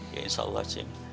ya insya allah cem